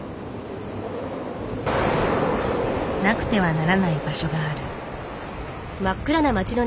なくてはならない場所がある。